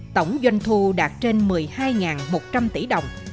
tổng doanh thu đạt trên một mươi hai một trăm linh tỷ đồng